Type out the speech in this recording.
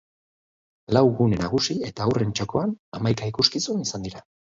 Lau gune nagusi eta haurren txokoan, hamaika ikuskizun izan dira.